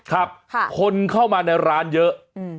คนเข้ามาในร้านเยอะ